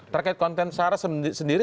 terkait konten sarah sendiri